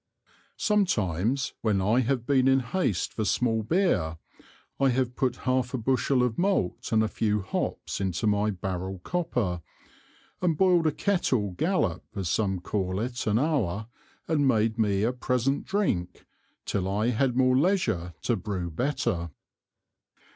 Sometimes, when I have been in haste for small Beer, I have put half a Bushel of Malt and a few Hops into my Barrel Copper, and boil'd a Kettle gallop as some call it an Hour, and made me a present Drink, till I had more leisure to brew better.